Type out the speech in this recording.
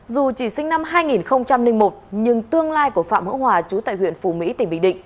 dù chỉ sinh năm hai nghìn một nhưng tương lai của phạm hữu hòa chú tại huyện phù mỹ tỉnh bình định